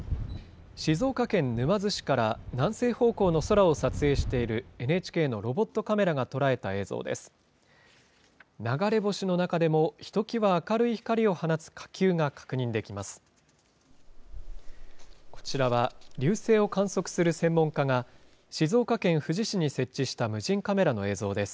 静岡県沼津市から南西方向の空を撮影しているＮＨＫのロボットカメラが捉えた映像です。